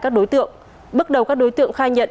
các đối tượng bước đầu các đối tượng khai nhận